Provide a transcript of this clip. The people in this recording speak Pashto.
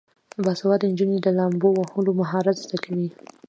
باسواده نجونې د لامبو وهلو مهارت زده کوي.